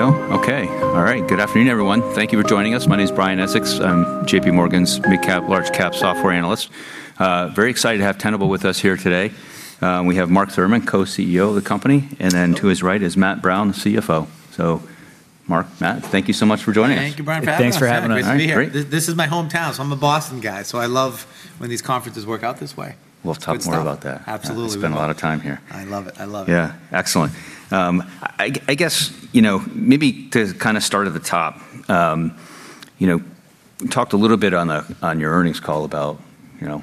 There you go. Okay. All right. Good afternoon, everyone. Thank you for joining us. My name's Brian Essex. I'm JPMorgan's midcap, large cap software analyst. Very excited to have Tenable with us here today. We have Mark Thurmond, co-CEO of the company, and then to his right is Matt Brown, the CFO. Mark, Matt, thank you so much for joining us. Thank you, Brian, for having us. Thanks for having us. Nice to be here. Great. This is my hometown, so I'm a Boston guy, so I love when these conferences work out this way. We'll talk more about that. Absolutely. Spent a lot of time here. I love it. I love it. Yeah. Excellent. I guess, you know, maybe to kinda start at the top, you know, talked a little bit on your earnings call about, you know,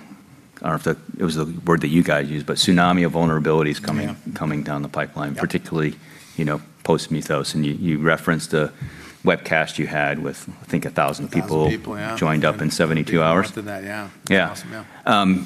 I don't know if it was the word that you guys used, but tsunami of vulnerabilities coming- Yeah ...coming down the pipeline. Yep. Particularly, you know, post Mythos, and you referenced a webcast you had with, I think, 1,000 people- A 1,000 people, yeah. ...joined up in 72 hours. Most of that, yeah. Yeah. Awesome, yeah.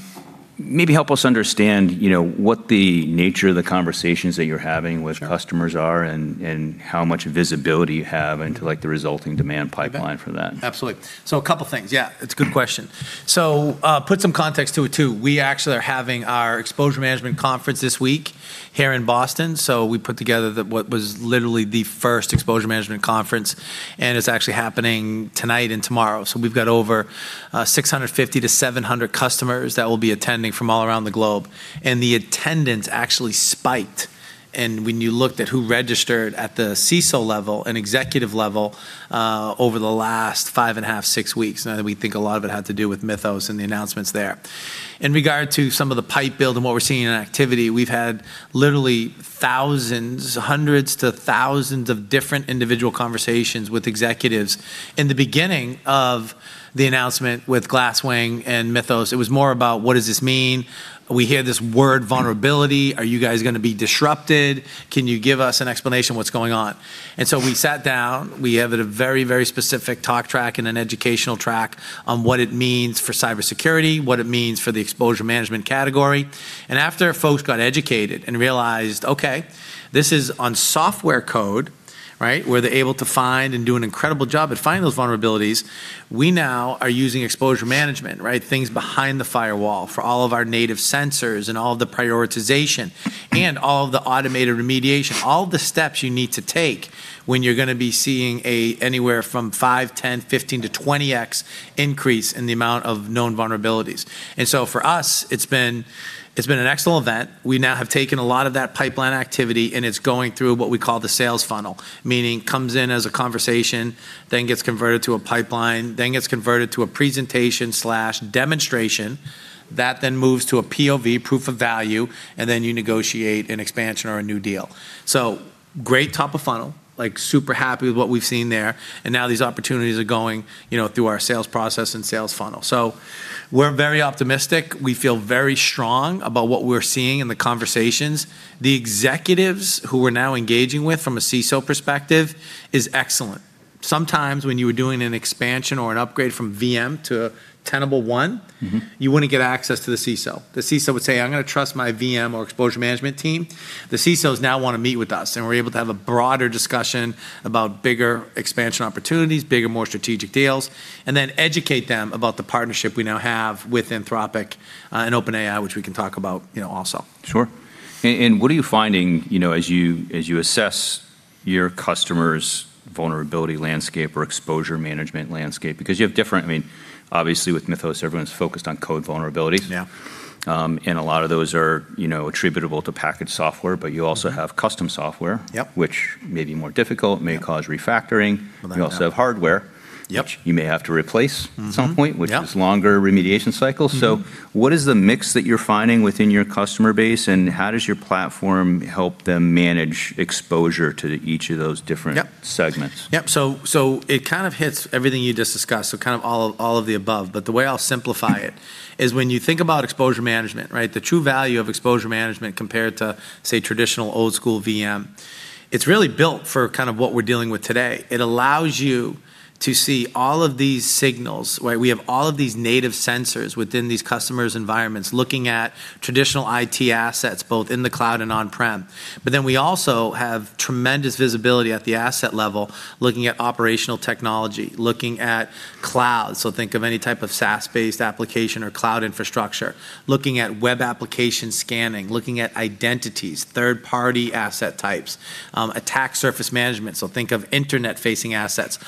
Maybe help us understand, you know, what the nature of the conversations that you're having with customers- Sure ...are and how much visibility you have into, like, the resulting demand pipeline for that. Absolutely. A couple things. Yeah, it's a good question. Put some context to it, too. We actually are having our Exposure Management Conference this week here in Boston, so we put together the, what was literally the first Exposure Management Conference, and it's actually happening tonight and tomorrow. We've got over 650-700 customers that will be attending from all around the globe, and the attendance actually spiked. When you looked at who registered at the CISO level and executive level over the last 5.5, six weeks, now that we think a lot of it had to do with Mythos and the announcements there. In regard to some of the pipe build and what we're seeing in activity, we've had literally thousands, hundreds to thousands of different individual conversations with executives. In the beginning of the announcement with Glasswing and Mythos, it was more about what does this mean? We hear this word vulnerability. Are you guys gonna be disrupted? Can you give us an explanation what's going on? We sat down. We have a very specific talk track and an educational track on what it means for Cybersecurity, what it means for the Exposure Management category. After folks got educated and realized, okay, this is on software code, right, where they're able to find and do an incredible job at finding those vulnerabilities, we now are using Exposure Management, right? Things behind the firewall for all of our native sensors and all the prioritization and all the automated remediation, all the steps you need to take when you're gonna be seeing a, anywhere from 5x, 10x, 15x-20x increase in the amount of known vulnerabilities. For us, it's been an excellent event. We now have taken a lot of that pipeline activity, and it's going through what we call the sales funnel. Meaning comes in as a conversation, then gets converted to a pipeline, then gets converted to a presentation/demonstration. That then moves to a PoV, Proof of Value, and then you negotiate an expansion or a new deal. Great top of funnel, like, super happy with what we've seen there, and now these opportunities are going, you know, through our sales process and sales funnel. We're very optimistic. We feel very strong about what we're seeing in the conversations. The executives who we're now engaging with from a CISO perspective is excellent. Sometimes when you are doing an expansion or an upgrade from VM to Tenable One- ...you wouldn't get access to the CISO. The CISO would say, "I'm gonna trust my VM or Exposure Management Team." The CISOs now wanna meet with us, and we're able to have a broader discussion about bigger expansion opportunities, bigger, more strategic deals, and then educate them about the partnership we now have with Anthropic and OpenAI, which we can talk about, you know, also. Sure. What are you finding, you know, as you assess your customers' vulnerability landscape or Exposure Management landscape? I mean, obviously with Mythos, everyone's focused on code vulnerabilities. Yeah. A lot of those are, you know, attributable to packaged software, but you also have custom software- Yep ...which may be more difficult. Yeah. May cause refactoring. Well, that, yeah. You also have hardware- Yep ...which you may have to replace- ...at some point- Yeah ...which is longer remediation cycle. What is the mix that you're finding within your customer base, and how does your platform help them manage exposure to each of those different- Yep ...segments? Yep. It kind of hits everything you just discussed, kind of all of the above. The way I'll simplify it is when you think about Exposure Management, right, the true value of Exposure Management compared to, say, traditional old school VM, it's really built for kind of what we're dealing with today. It allows you to see all of these signals, right? We have all of these native sensors within these customers' environments looking at traditional IT assets both in the cloud and on-prem. We also have tremendous visibility at the asset level looking at operational technology, looking at cloud. Think of any type of SaaS-based application or cloud infrastructure. Looking at web application scanning, looking at identities, third-party asset types, attack surface management, so think of internet-facing assets.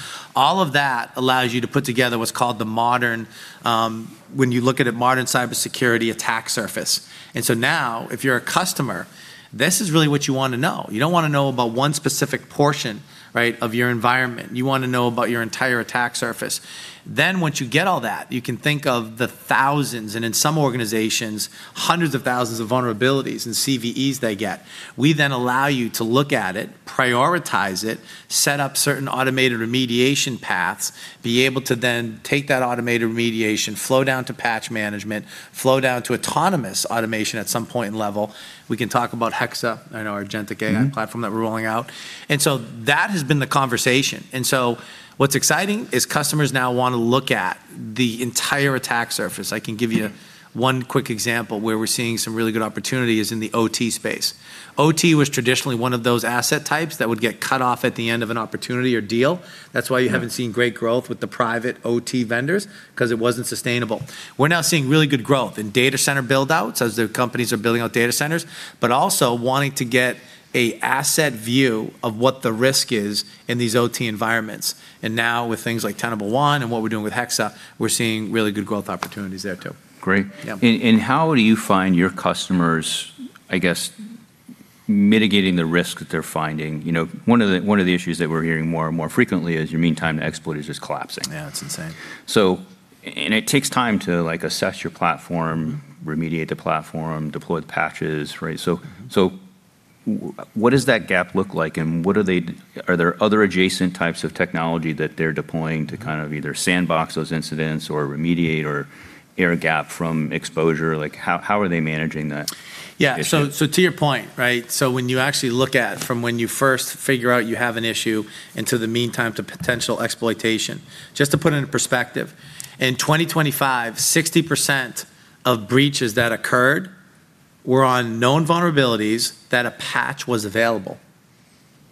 All of that allows you to put together what's called the modern, when you look at a modern cybersecurity attack surface. Now, if you're a customer, this is really what you wanna know. You don't wanna know about one specific portion, right, of your environment. You wanna know about your entire attack surface. Once you get all that, you can think of the thousands, and in some organizations, hundreds of thousands of vulnerabilities and CVEs they get. We then allow you to look at it, prioritize it, set up certain automated remediation paths, be able to then take that automated remediation, flow down to patch management, flow down to autonomous automation at some point and level. We can talk about Hexa and our Agentic AI platform. that we're rolling out. That has been the conversation. What's exciting is customers now wanna look at the entire attack surface. I can give you one quick example where we're seeing some really good opportunity is in the OT space. OT was traditionally one of those asset types that would get cut off at the end of an opportunity or deal. That's why you haven't seen great growth with the private OT vendors, 'cause it wasn't sustainable. We're now seeing really good growth in data center build-outs as the companies are building out data centers, but also wanting to get a asset view of what the risk is in these OT environments. Now with things like Tenable One and what we're doing with Hexa, we're seeing really good growth opportunities there, too. Great. Yeah. How do you find your customers mitigating the risk that they're finding? You know, one of the issues that we're hearing more and more frequently is your meantime to exploit is just collapsing. Yeah, it's insane. It takes time to assess your platform, remediate the platform, deploy the patches, right? What does that gap look like and are there other adjacent types of technology that they're deploying to kind of either sandbox those incidents or remediate or air gap from exposure? How are they managing that- Yeah ...issue? To your point, right, so when you actually look at from when you first figure out you have an issue into the meantime to potential exploitation, just to put it into perspective, in 2025, 60% of breaches that occurred were on known vulnerabilities that a patch was available.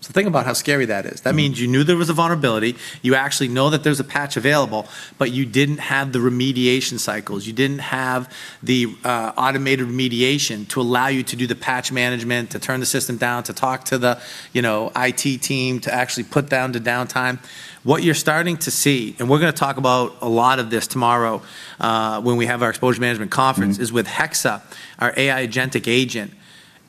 Think about how scary that is. That means you knew there was a vulnerability, you actually know that there's a patch available, but you didn't have the remediation cycles, you didn't have the automated remediation to allow you to do the patch management, to turn the system down, to talk to the, you know, IT team, to actually put down the downtime. What you're starting to see, and we're gonna talk about a lot of this tomorrow, when we have our Exposure Management Conference. is with Hexa, our AI agentic agent,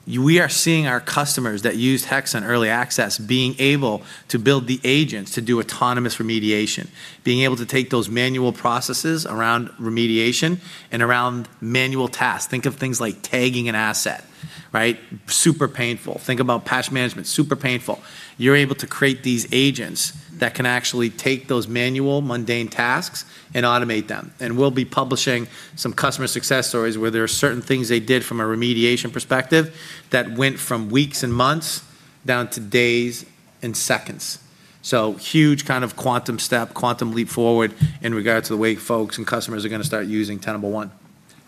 we are seeing our customers that used Hexa in early access being able to build the agents to do autonomous remediation, being able to take those manual processes around remediation and around manual tasks. Think of things like tagging an asset, right? Super painful. Think about patch management. Super painful. You're able to create these agents that can actually take those manual mundane tasks and automate them. We'll be publishing some customer success stories where there are certain things they did from a remediation perspective that went from weeks and months down to days and seconds. Huge kind of quantum step, quantum leap forward in regards to the way folks and customers are gonna start using Tenable One.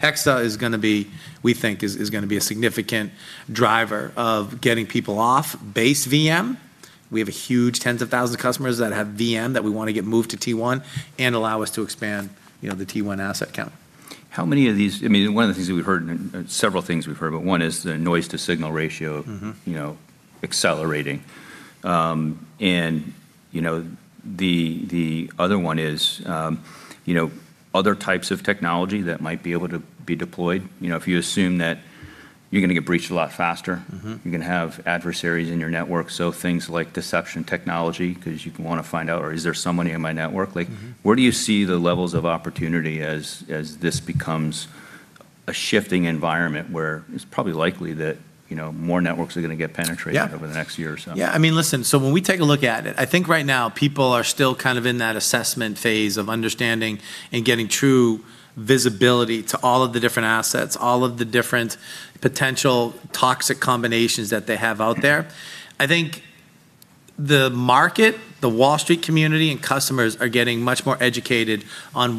Hexa is gonna be, we think, is gonna be a significant driver of getting people off base VM. We have a huge tens of thousands of customers that have VM that we wanna get moved to T1 and allow us to expand, you know, the T1 asset count. How many of these I mean, one of the things that we've heard, several things we've heard, one is the noise to signal ratio- ...you know, accelerating. You know, the other one is, you know, other types of technology that might be able to be deployed. You know, if you assume that you're gonna get breached a lot faster. You're gonna have adversaries in your network. Things like deception technology, 'cause you wanna find out, or is there somebody in my network? Like, where do you see the levels of opportunity as this becomes a shifting environment where it's probably likely that, you know, more networks are gonna get penetrated- Yeah ...over the next year or so? I mean, listen, when we take a look at it, I think right now people are still kind of in that assessment phase of understanding and getting true visibility to all of the different assets, all of the different potential toxic combinations that they have out there. I think the market, the Wall Street community and customers are getting much more educated on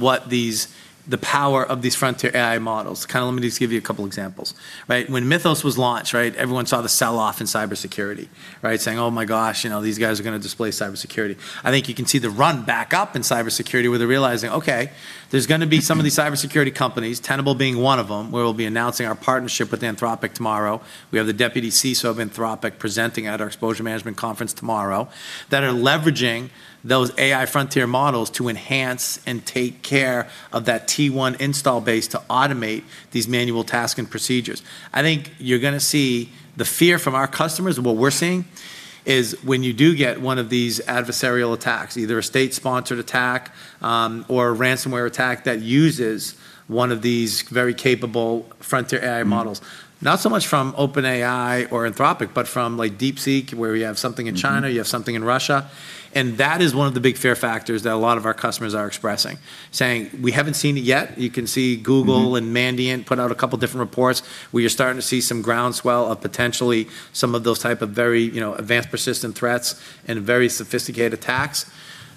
the power of these frontier AI models. Kind of let me just give you a couple examples. When Mythos was launched, everyone saw the sell-off in cybersecurity. Saying, "Oh my gosh, you know, these guys are gonna displace cybersecurity." I think you can see the run back up in cybersecurity where they're realizing, okay, there's gonna be some of these cybersecurity companies, Tenable being one of them, where we'll be announcing our partnership with Anthropic tomorrow. We have the deputy CISO of Anthropic presenting at our Exposure Management Conference tomorrow, that are leveraging those AI frontier models to enhance and take care of that T1 install base to automate these manual tasks and procedures. I think you're gonna see the fear from our customers, and what we're seeing, is when you do get one of these adversarial attacks, either a state-sponsored attack, or a ransomware attack that uses one of these very capable frontier AI models. not so much from OpenAI or Anthropic, but from, like, DeepSeek where you have something in China- ...you have something in Russia, and that is one of the big fear factors that a lot of our customers are expressing, saying, "We haven't seen it yet." You can see Google- ...and Mandiant put out a couple different reports where you're starting to see some groundswell of potentially some of those type of very, you know, advanced persistent threats and very sophisticated attacks.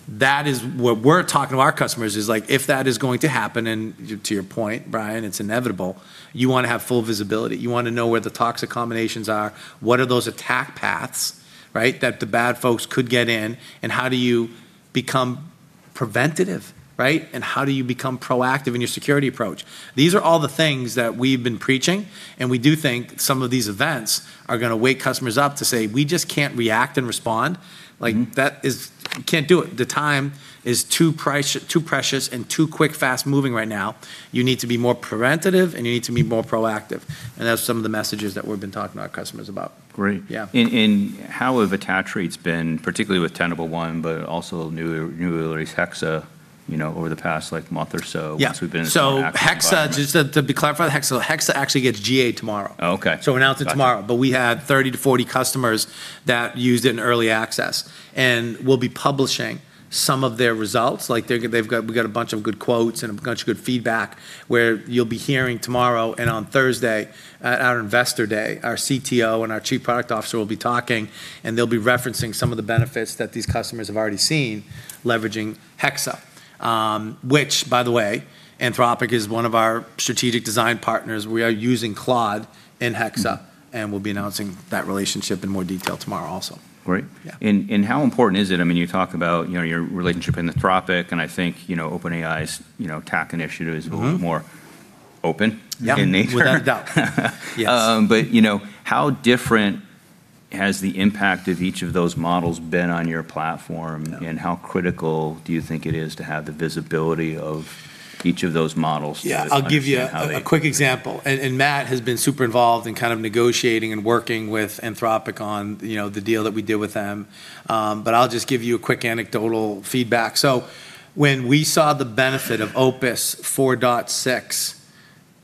That is, what we're talking to our customers is, like, if that is going to happen, to your point, Brian, it's inevitable, you wanna have full visibility. You wanna know where the toxic combinations are, what are those attack paths, right, that the bad folks could get in, and how do you become preventative, right? How do you become proactive in your security approach? These are all the things that we've been preaching, and we do think some of these events are gonna wake customers up to say, "We just can't react and respond. Like, that is, can't do it. The time is too prized, too precious and too quick, fast-moving right now. You need to be more preventative and you need to be more proactive. That's some of the messages that we've been talking to our customers about. Great. Yeah. How have attach rates been, particularly with Tenable One, but also new release Hexa, you know, over the past, like, month or so- Yeah -once we've been in this more active environment. Hexa, just to clarify Hexa actually gets GA tomorrow. Oh, okay. We're announcing tomorrow. Gotcha. We have 30-40 customers that used it in early access, and we'll be publishing some of their results. We got a bunch of good quotes and a bunch of good feedback where you'll be hearing tomorrow and on Thursday at our Investor Day, our CTO and our Chief Product Officer will be talking and they'll be referencing some of the benefits that these customers have already seen leveraging Hexa. Which by the way, Anthropic is one of our strategic design partners. We are using Claude in Hexa. We'll be announcing that relationship in more detail tomorrow also. Great. Yeah. How important is it? I mean, you talk about, you know, your relationship with Anthropic, and I think, you know, OpenAI's, you know, attack initiative- ...is a little bit more open- Yeah ...in nature. Without a doubt. Yes. You know, how has the impact of each of those models been on your platform? No. How critical do you think it is to have the visibility of each of those models- Yeah. ...to understand how they- A quick example. Matt has been super involved in kind of negotiating and working with Anthropic on, you know, the deal that we did with them. I'll just give you a quick anecdotal feedback. When we saw the benefit of Opus 4.6,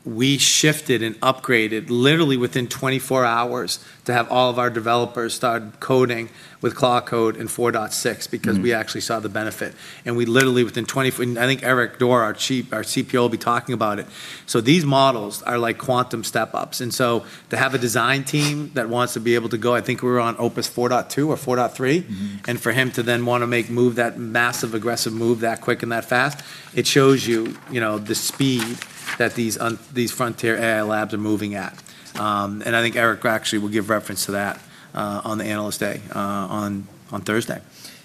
we shifted and upgraded literally within 24 hours to have all of our developers start coding with Claude Code in 4.6. because we actually saw the benefit. We literally, within 24, I think Eric Doerr, our CPO, will be talking about it. These models are like quantum step-ups. To have a design team that wants to be able to go, I think we were on Opus 4.2 or 4.3. For him to then wanna make, move that massive, aggressive move that quick and that fast, it shows you know, the speed that these frontier AI labs are moving at. I think Eric actually will give reference to that on the Analyst Day on Thursday.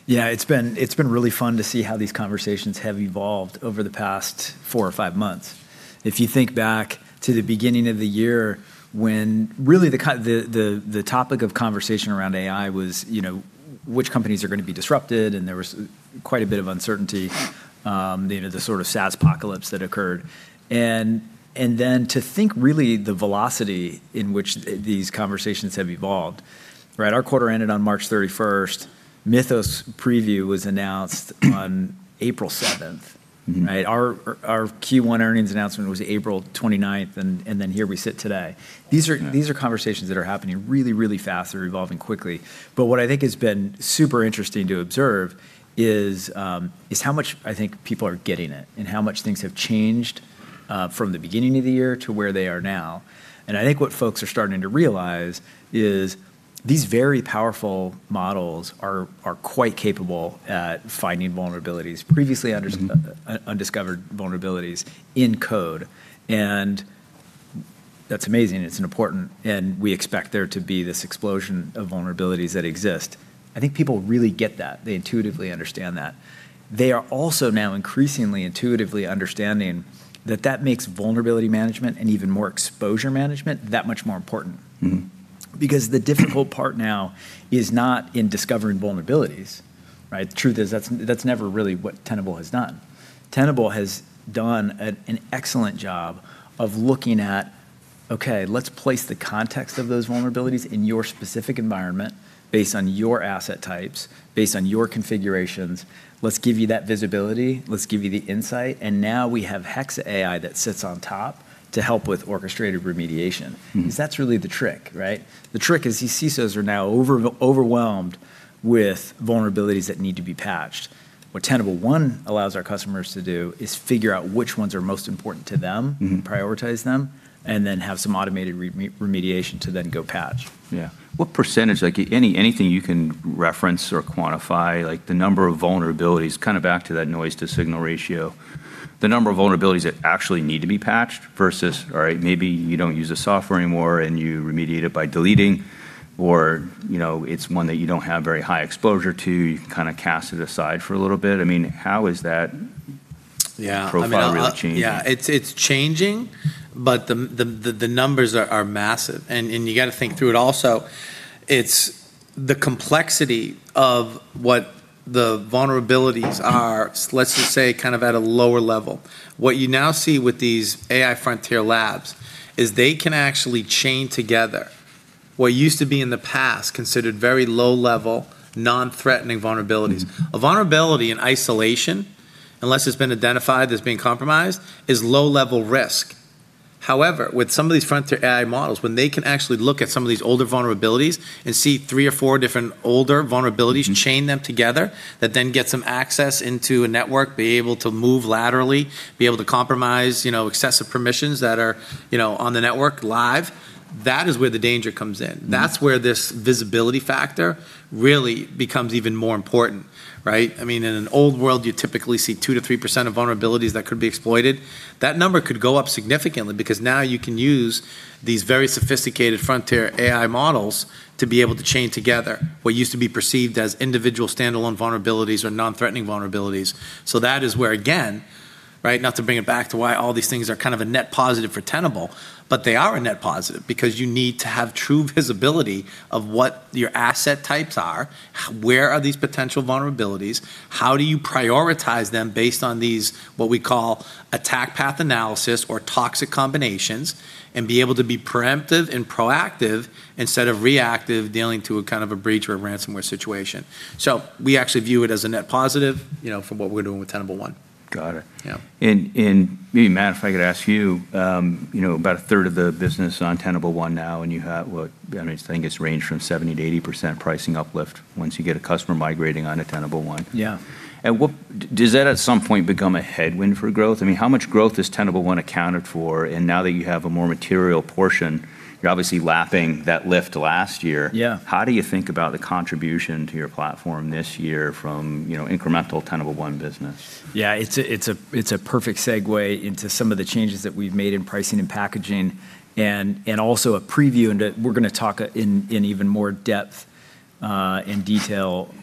Yeah, it's been really fun to see how these conversations have evolved over the past four or five months. If you think back to the beginning of the year when really the topic of conversation around AI was, you know, which companies are gonna be disrupted, and there was quite a bit of uncertainty, you know, the sort of SaaSpocalypse that occurred. Then to think really the velocity in which these conversations have evolved, right? Our quarter ended on March 31st. Mythos preview was announced on April 7th. Right? Our Q1 earnings announcement was April 29th, and then here we sit today. Yeah. These are conversations that are happening really, really fast. They're evolving quickly. What I think has been super interesting to observe is how much I think people are getting it and how much things have changed from the beginning of the year to where they are now. I think what folks are starting to realize is these very powerful models are quite capable at finding vulnerabilities, previously undiscovered vulnerabilities in code. That's amazing. We expect there to be this explosion of vulnerabilities that exist. I think people really get that. They intuitively understand that. They are also now increasingly intuitively understanding that that makes Vulnerability Management and even more Exposure Management that much more important. The difficult part now is not in discovering vulnerabilities, right? The truth is that's never really what Tenable has done. Tenable has done an excellent job of looking at, okay, let's place the context of those vulnerabilities in your specific environment based on your asset types, based on your configurations. Let's give you that visibility. Let's give you the insight. Now we have Hexa AI that sits on top to help with orchestrated remediation. Cause that's really the trick, right? The trick is these CISOs are now overwhelmed with vulnerabilities that need to be patched. What Tenable One allows our customers to do is figure out which ones are most important to them. Prioritize them, and then have some automated remediation to then go patch. Yeah. What percentage, anything you can reference or quantify, like the number of vulnerabilities, kind of back to that noise to signal ratio, the number of vulnerabilities that actually need to be patched versus, all right, maybe you don't use the software anymore and you remediate it by deleting, or, you know, it's one that you don't have very high exposure to, you kind of cast it aside for a little bit. I mean, how is that- Yeah ...profile really changing? Yeah, it's changing, but the numbers are massive. You gotta think through it also, it's the complexity of what the vulnerabilities are, let's just say, kind of at a lower level. What you now see with these AI frontier labs is they can actually chain together what used to be in the past considered very low level, non-threatening vulnerabilities. A vulnerability in isolation, unless it's been identified as being compromised, is low level risk. However, with some of these frontier AI models, when they can actually look at some of these older vulnerabilities and see three or four different older vulnerabilities- ....chain them together, that then gets them access into a network, be able to move laterally, be able to compromise, you know, excessive permissions that are, you know, on the network live, that is where the danger comes in. That's where this visibility factor really becomes even more important, right? I mean, in an old world, you typically see 2%-3% of vulnerabilities that could be exploited. That number could go up significantly because now you can use these very sophisticated frontier AI models to be able to chain together what used to be perceived as individual standalone vulnerabilities or non-threatening vulnerabilities. That is where, again, right, not to bring it back to why all these things are kind of a net positive for Tenable, but they are a net positive because you need to have true visibility of what your asset types are, where are these potential vulnerabilities, how do you prioritize them based on these, what we call attack path analysis or toxic combinations, and be able to be preemptive and proactive instead of reactive, dealing to a kind of a breach or a ransomware situation. We actually view it as a net positive, you know, from what we're doing with Tenable One. Got it. Yeah. Maybe, Matt, if I could ask you know, about a third of the business on Tenable One now, and you have, what, I mean, I think it's ranged from 70%-80% pricing uplift once you get a customer migrating onto Tenable One. Yeah. What does that at some point become a headwind for growth? I mean, how much growth has Tenable One accounted for? Now that you have a more material portion, you're obviously lapping that lift last year. Yeah. How do you think about the contribution to your platform this year from, you know, incremental Tenable One business? It's a perfect segue into some of the changes that we've made in pricing and packaging and also a preview into We're gonna talk in even more depth in detail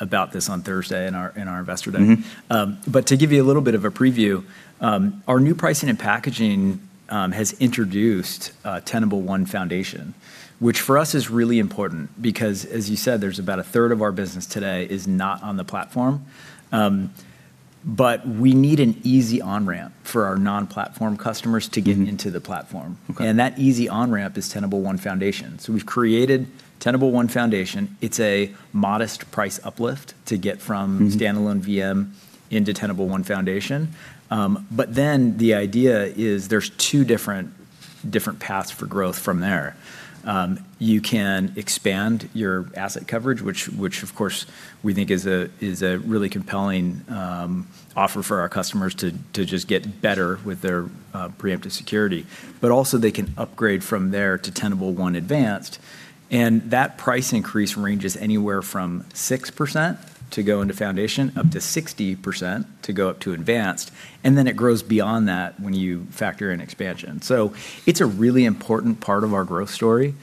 about this on Thursday in our Investor Day. To give you a little bit of a preview, our new pricing and packaging has introduced a Tenable One Foundation, which for us is really important because as you said, there's about a third of our business today is not on the platform. We need an easy on-ramp for our non-platform customers to get into the platform. That easy on-ramp is Tenable One Foundation. We've created Tenable One Foundation. It's a modest price uplift to get from standalone VM into Tenable One Foundation. The idea is there's two different paths for growth from there. You can expand your asset coverage, which of course we think is a really compelling offer for our customers to just get better with their preemptive security. Also they can upgrade from there to Tenable One Advanced, and that price increase ranges anywhere from 6% to go into Foundation, up to 60% to go up to Advanced, and then it grows beyond that when you factor in expansion. It's a really important part of our growth story.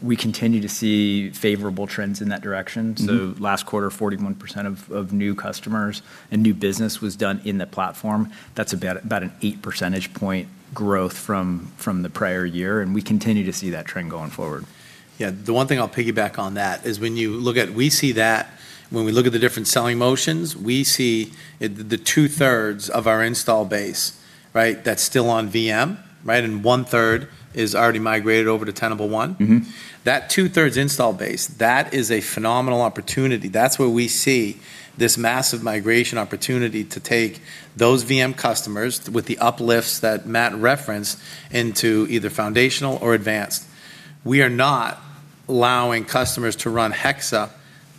We continue to see favorable trends in that direction. Last quarter, 41% of new customers and new business was done in the platform. That's about an 8 percentage point growth from the prior year, and we continue to see that trend going forward. Yeah, the one thing I'll piggyback on that is when you look at the different selling motions, we see it, the two-thirds of our install base, right? That's still on VM, right? One-third is already migrated over to Tenable One. That two-thirds install base, that is a phenomenal opportunity. That's where we see this massive migration opportunity to take those VM customers with the uplifts that Matt referenced into either Foundational or Advanced. We are not allowing customers to run Hexa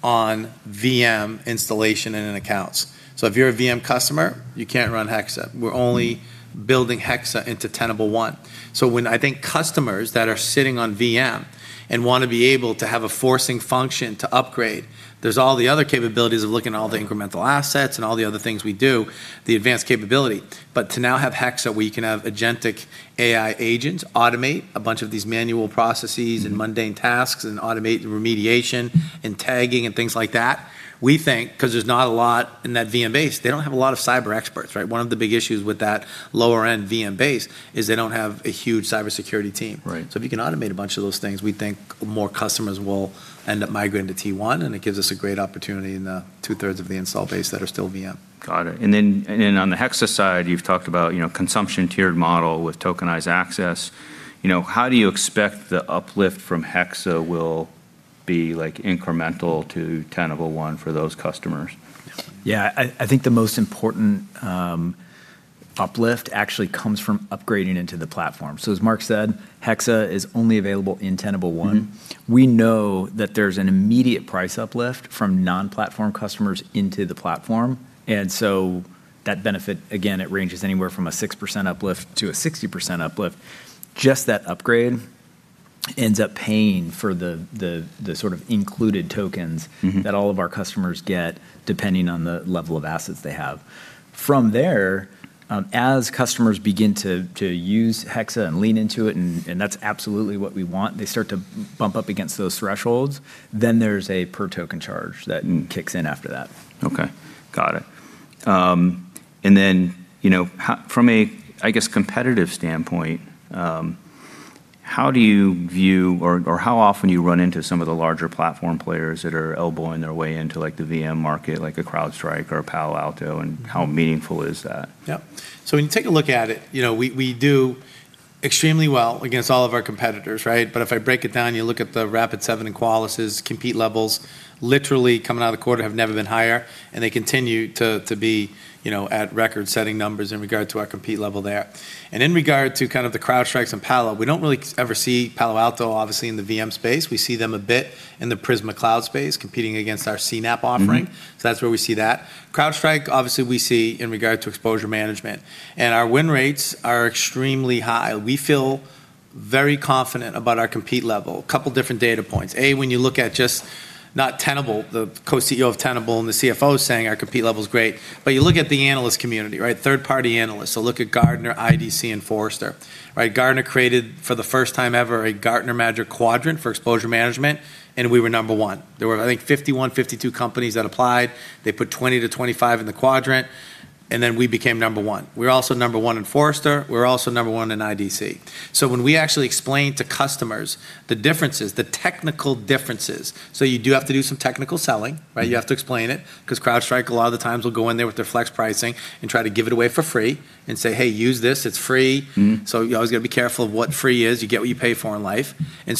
on VM installation in accounts. If you're a VM customer, you can't run Hexa. We're only building Hexa into Tenable One. When I think customers that are sitting on VM and want to be able to have a forcing function to upgrade, there's all the other capabilities of looking at all the incremental assets and all the other things we do, the advanced capability. To now have Hexa, we can have Agentic AI agents automate a bunch of these manual processes and mundane tasks and automate remediation and tagging and things like that. We think, 'cause there's not a lot in that VM base, they don't have a lot of cyber experts, right? One of the big issues with that lower end VM base is they don't have a huge cybersecurity team. Right. If you can automate a bunch of those things, we think more customers will end up migrating to T1, it gives us a great opportunity in the two-thirds of the install base that are still VM. Got it. On the Hexa side, you've talked about, you know, consumption tiered model with tokenized access. How do you expect the uplift from Hexa will be like incremental to Tenable One for those customers? I think the most important uplift actually comes from upgrading into the platform. As Mark said, Hexa is only available in Tenable One. We know that there's an immediate price uplift from non-platform customers into the platform, that benefit, again, it ranges anywhere from a 6% uplift to a 60% uplift. Just that upgrade ends up paying for the sort of included tokens that all of our customers get depending on the level of assets they have. From there, as customers begin to use Hexa and lean into it, and that's absolutely what we want, they start to bump up against those thresholds, then there's a per token charge that kicks in after that. Okay. Got it. Then, you know, how, from a, I guess, competitive standpoint, how do you view or how often you run into some of the larger platform players that are elbowing their way into like the VM market, like a CrowdStrike or a Palo Alto, and how meaningful is that? Yeah. When you take a look at it, you know, we do extremely well against all of our competitors, right? If I break it down, you look at the Rapid7 and Qualys' compete levels literally coming out of the quarter have never been higher, and they continue to be, you know, at record-setting numbers in regard to our compete level there. In regard to kind of the CrowdStrike and Palo, we don't really ever see Palo Alto obviously in the VM space. We see them a bit in the Prisma Cloud space competing against our CNAPP offering. That's where we see that. CrowdStrike, obviously, we see in regard to Exposure Management, and our win rates are extremely high. We feel very confident about our compete level. A couple different data points. When you look at just not Tenable, the co-CEO of Tenable and the CFO saying our compete level's great, but you look at the analyst community, right. Third-party analysts. Look at Gartner, IDC, and Forrester. Right? Gartner created, for the first time ever, a Gartner Magic Quadrant for Exposure Management. We were number one. There were I think 51, 52 companies that applied. They put 20-25 in the quadrant. We became number one. We're also number one in Forrester. We're also number one in IDC. When we actually explain to customers the differences, the technical differences, you do have to do some technical selling, right? You have to explain it, 'cause CrowdStrike a lot of the times will go in there with their flex pricing and try to give it away for free and say, "Hey, use this, it's free." You always got to be careful of what free is. You get what you pay for in life,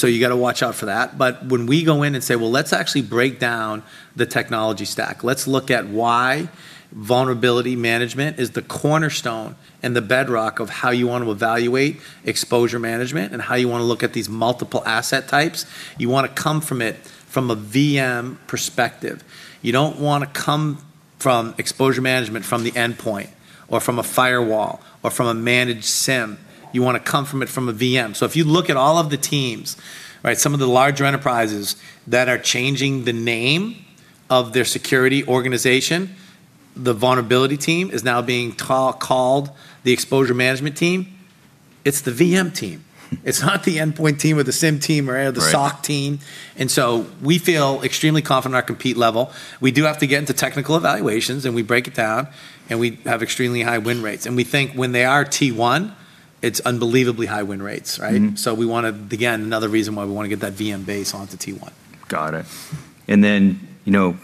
you got to watch out for that. When we go in and say, "Well, let's actually break down the technology stack. Let's look at why vulnerability management is the cornerstone and the bedrock of how you want to evaluate Exposure Management and how you want to look at these multiple asset types." You want to come from it from a VM perspective. You don't want to come from Exposure Management from the endpoint or from a firewall or from a managed SIEM. You want to come from it from a VM. If you look at all of the teams, right, some of the larger enterprises that are changing the name of their security organization. The vulnerability team is now being called the Exposure Management Team. It's the VM team. It's not the endpoint team or the SIEM team. Right. The SOC team. We feel extremely confident in our compete level. We do have to get into technical evaluations, and we break it down, and we have extremely high win rates. We think when they are T1, it's unbelievably high win rates, right? Again, another reason why we wanna get that VM base onto T1. Got it. You know,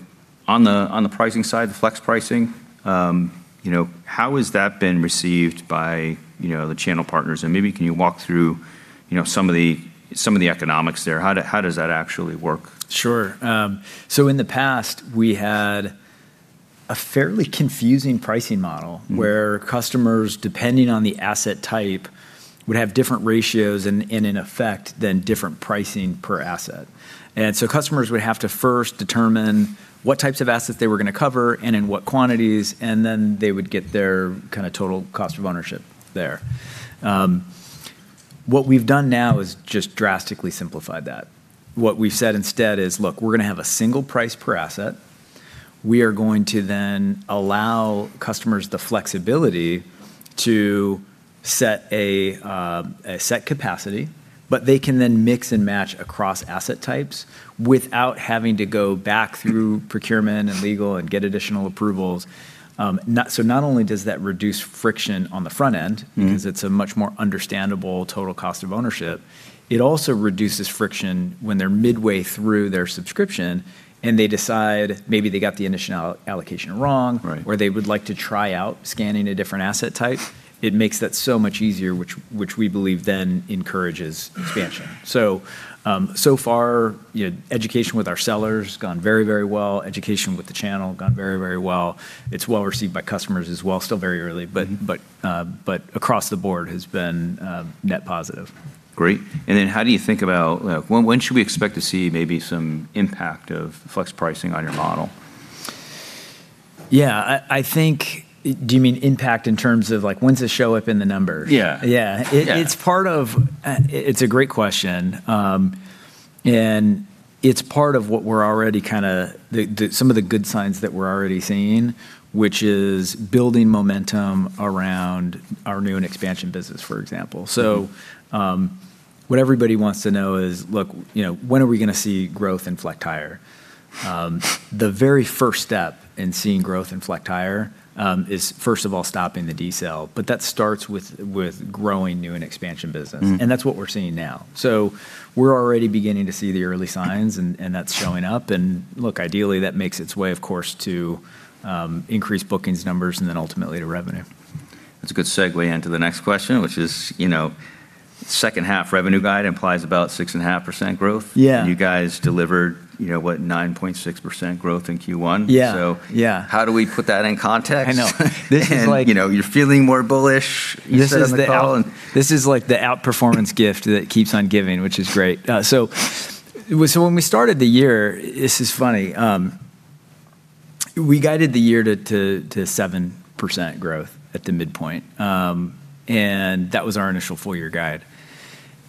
on the pricing side, the flex pricing, you know, how has that been received by, you know, the channel partners? Maybe can you walk through, you know, some of the economics there? How does that actually work? Sure. In the past, we had a fairly confusing pricing model. Where customers, depending on the asset type, would have different ratios and in effect then different pricing per asset. Customers would have to first determine what types of assets they were gonna cover and in what quantities, and then they would get their kinda total cost of ownership there. What we've done now is just drastically simplified that. What we've said instead is, "Look, we're gonna have a single price per asset. We are going to then allow customers the flexibility to set a set capacity, but they can then mix and match across asset types without having to go back through procurement and legal and get additional approvals." Not only does that reduce friction on the front end. Because it's a much more understandable total cost of ownership, it also reduces friction when they're midway through their subscription and they decide maybe they got the initial allocation wrong. Right Or they would like to try out scanning a different asset type. It makes that so much easier, which we believe encourages expansion. So far, you know, education with our sellers has gone very well. Education with the channel, gone very well. It's well received by customers as well. Still very early. Across the board has been net positive. Great. How do you think about when should we expect to see maybe some impact of flex pricing on your model? Yeah. I think. Do you mean impact in terms of like when's it show up in the numbers? Yeah. Yeah. Yeah. It's a great question, and it's part of what we're already kinda some of the good signs that we're already seeing, which is building momentum around our new and expansion business, for example. What everybody wants to know is, look, you know, when are we gonna see growth in flex higher? The very first step in seeing growth in flex higher is first of all stopping the decel, that starts with growing new and expansion business. That's what we're seeing now. We're already beginning to see the early signs, and that's showing up. Look, ideally, that makes its way, of course, to increased bookings numbers and then ultimately to revenue. That's a good segue into the next question- ...which is, you know, second half revenue guide implies about 6.5% growth. Yeah. You guys delivered, you know, what, 9.6% growth in Q1. Yeah. So- Yeah -how do we put that in context? I know. This is like- You know, you're feeling more bullish. This is the- You said on the call. This is like the outperformance gift that keeps on giving, which is great. So when we started the year, this is funny, we guided the year to 7% growth at the midpoint. That was our initial full-year guide.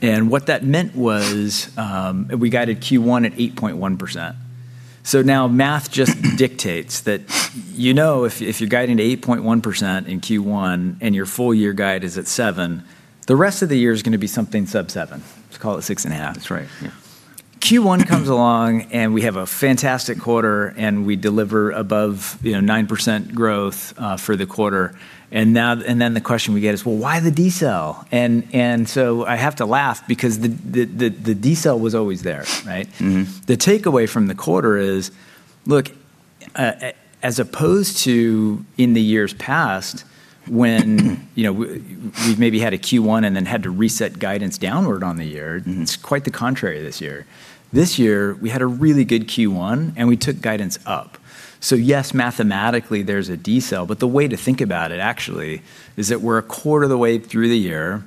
What that meant was, we guided Q1 at 8.1%. Now math just dictates that you know if you're guiding to 8.1% in Q1 and your full-year guide is at 7%, the rest of the year is gonna be something sub-7%. Let's call it 6.5%. That's right. Yeah. Q1 comes along, and we have a fantastic quarter, and we deliver above, you know, 9% growth for the quarter. Now, and then the question we get is, "Well, why the decel?" So I have to laugh because the decel was always there, right? The takeaway from the quarter is, look, as opposed to in the years past when, you know, we've maybe had a Q1 and then had to reset guidance downward on the year. It's quite the contrary this year. This year, we had a really good Q1, and we took guidance up. Yes, mathematically, there's a decel, but the way to think about it, actually, is that we're a quarter of the way through the year,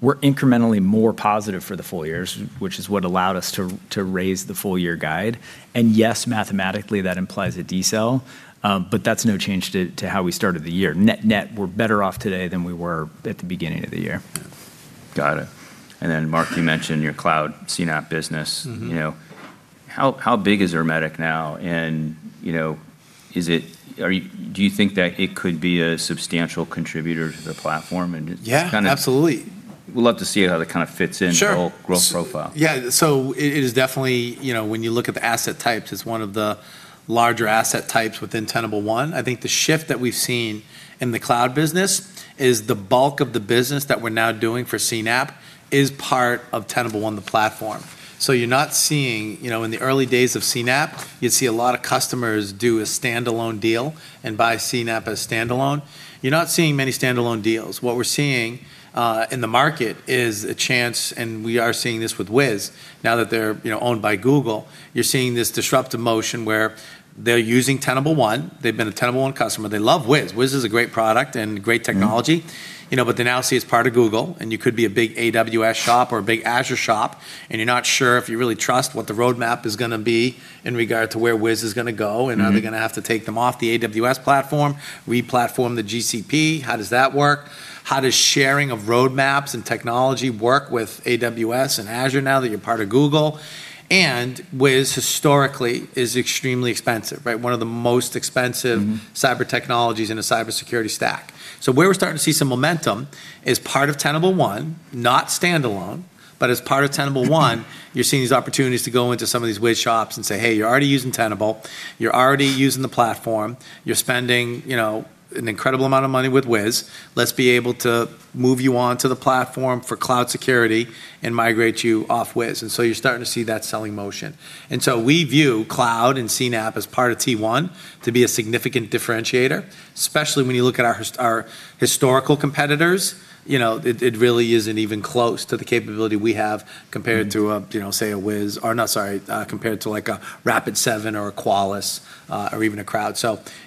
we're incrementally more positive for the full year, which is what allowed us to raise the full-year guide, and yes, mathematically, that implies a decel, but that's no change to how we started the year. Net, net, we're better off today than we were at the beginning of the year. Yeah. Got it. Mark, you mentioned your cloud CNAPP business. You know, how big is Ermetic now? You know, do you think that it could be a substantial contributor to the platform? Yeah, absolutely. We'd love to see how that kind of fits in- Sure ....the whole growth profile. Yeah. It is definitely, you know, when you look at the asset types, it's one of the larger asset types within Tenable One. I think the shift that we've seen in the cloud business is the bulk of the business that we're now doing for CNAPP is part of Tenable One, the platform. You're not seeing You know, in the early days of CNAPP, you'd see a lot of customers do a standalone deal and buy CNAPP as standalone. You're not seeing many standalone deals. What we're seeing in the market is a chance, and we are seeing this with Wiz now that they're, you know, owned by Google, you're seeing this disruptive motion where they're using Tenable One, they've been a Tenable One customer, they love Wiz. Wiz is a great product and great technology. You know, but they now see it as part of Google, and you could be a big AWS shop or a big Azure shop, and you're not sure if you really trust what the roadmap is gonna be in regard to where Wiz is gonna go. Are they gonna have to take them off the AWS platform, re-platform the GCP, how does that work? How does sharing of roadmaps and technology work with AWS and Azure now that you're part of Google? Wiz historically is extremely expensive, right? One of the most expensive cyber technologies in a cybersecurity stack. Where we're starting to see some momentum is part of Tenable One, not standalone, but as part of Tenable One, you're seeing these opportunities to go into some of these Wiz shops and say, "Hey, you're already using Tenable. You're already using the platform. You're spending, you know, an incredible amount of money with Wiz. Let's be able to move you onto the platform for Cloud Security and migrate you off Wiz." You're starting to see that selling motion. We view cloud and CNAPP as part of T1 to be a significant differentiator, especially when you look at our historical competitors. You know, it really isn't even close to the capability we have compared to. you know, say a Wiz. Or no, sorry, compared to like a Rapid7 or a Qualys, or even a Crowd.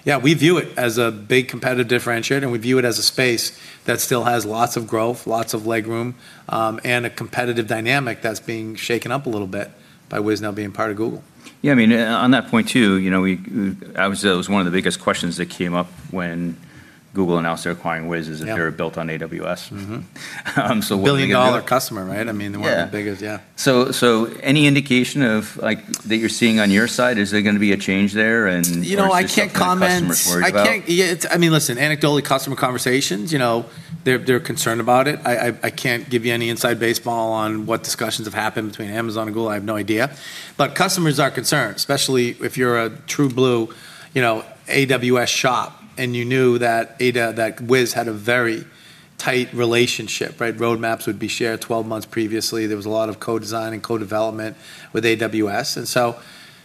Yeah, we view it as a big competitive differentiator, and we view it as a space that still has lots of growth, lots of leg room, and a competitive dynamic that's being shaken up a little bit by Wiz now being part of Google. I mean, on that point too, you know, we Obviously that was one of the biggest questions that came up when Google announced they're acquiring Wiz- Yeah ...is if they were built on AWS. What are you gonna do? Billion-dollar customer, right? I mean, one of the biggest. Yeah. Yeah. Any indication of, like, that you're seeing on your side? Is there gonna be a change there? You know, I can't comment. What are some things that customers worry about? I can't I mean, listen, anecdotally, customer conversations, you know, they're concerned about it. I can't give you any inside baseball on what discussions have happened between Amazon and Google. I have no idea. Customers are concerned, especially if you're a true blue, you know, AWS shop, and you knew that Wiz had a very tight relationship, right? Roadmaps would be shared 12 months previously. There was a lot of co-design and co-development with AWS.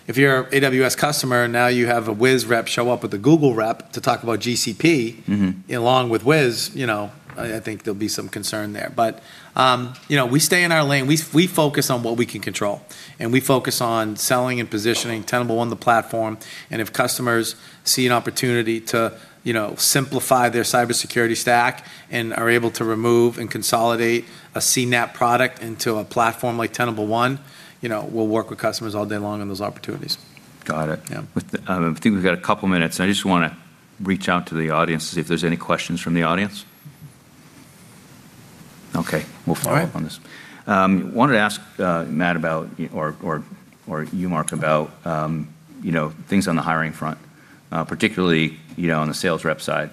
If you're a AWS customer and now you have a Wiz rep show up with a Google rep to talk about GCP- ...along with Wiz, you know, I think there'll be some concern there. You know, we stay in our lane. We focus on what we can control, and we focus on selling and positioning Tenable on the platform, and if customers see an opportunity to, you know, simplify their cybersecurity stack and are able to remove and consolidate a CNAPP product into a platform like Tenable One, you know, we'll work with customers all day long on those opportunities. Got it. Yeah. With, I think we've got a couple minutes, and I just want to reach out to the audience to see if there is any questions from the audience. Okay. We will follow up on this. All right. Wanted to ask Matt about you, Mark, about, you know, things on the hiring front, particularly, you know, on the sales rep side.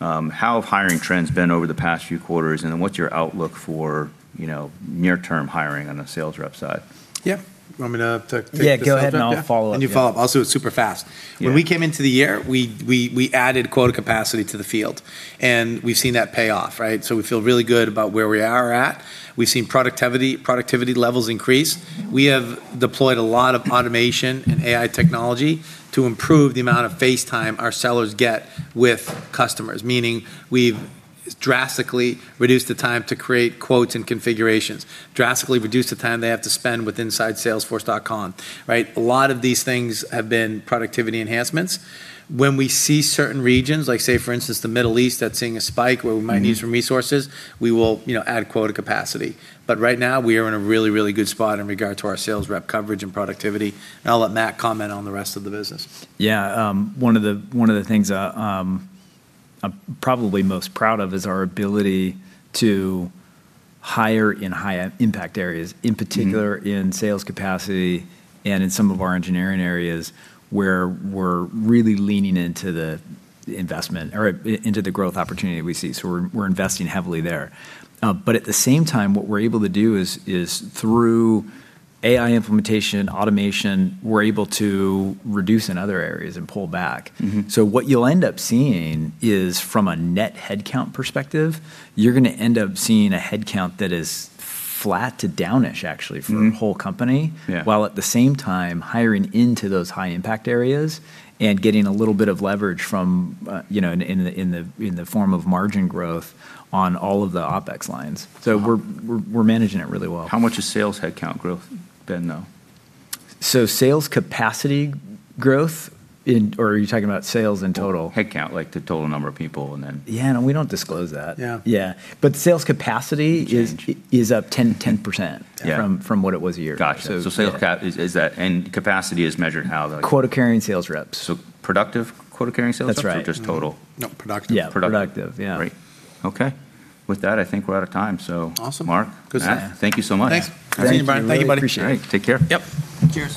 How have hiring trends been over the past few quarters? What's your outlook for, you know, near-term hiring on the sales rep side? Yeah. You want me to take this one, Matt? Yeah. Yeah, go ahead, and I'll follow up. Yeah. You follow up. I'll do it super fast. Yeah. When we came into the year, we added quota capacity to the field, and we've seen that pay off, right? We feel really good about where we are at. We've seen productivity levels increase. We have deployed a lot of automation and AI technology to improve the amount of face time our sellers get with customers, meaning we've drastically reduced the time to create quotes and configurations, drastically reduced the time they have to spend with inside Salesforce.com, right? A lot of these things have been productivity enhancements- -when we see certain regions, like, say, for instance Middle East, that's seeing a spike where we might need some resources, we will, you know, add quota capacity. Right now we are in a really, really good spot in regard to our sales rep coverage and productivity. I'll let Matt comment on the rest of the business. One of the things I'm probably most proud of is our ability to hire in high impact areas, in particular- ...in sales capacity and in some of our engineering areas where we're really leaning into the investment, or into the growth opportunity we see. We're investing heavily there. At the same time, what we're able to do is through AI implementation, automation, we're able to reduce in other areas and pull back. What you'll end up seeing is from a net headcount perspective, you're gonna end up seeing a headcount that is flat to down-ish actually- ...from the whole company. Yeah. While at the same time hiring into those high impact areas and getting a little bit of leverage from, you know, in the form of margin growth on all of the OpEx lines. We're managing it really well. How much has sales headcount growth been, though? Are you talking about sales in total? Headcount, like the total number of people. Yeah. No, we don't disclose that. Yeah. Yeah. But sales capacity is up 10%. Yeah. From what it was a year ago. Gotcha. Yeah. Sales cap is that. Capacity is measured how, though? Quota-carrying sales reps. Productive quota-carrying sales reps- That's right. ..or just total? No, productive. Yeah. Productive. Productive. Yeah. Great. Okay. With that, I think we're out of time. Awesome Mark, Matt, Good seeing you. Thank you so much. Thanks. Thank you, Brian. Thank you, buddy. Appreciate it. All right. Take care. Yep. Cheers.